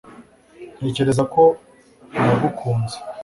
ntekereza ko nagukunze